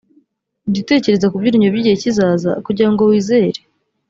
jya utekereza ku byiringiro by’igihe kizaza kugira ngo wizere